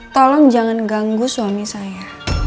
tolong jangan ganggu suami saya